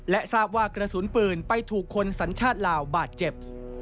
และทราบว่ากระสุนปืนไปถูกคนสัญชาติลาวบาดเจ็บ